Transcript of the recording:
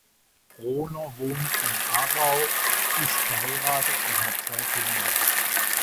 Rohner wohnt in Aarau, ist verheiratet und hat zwei Kinder.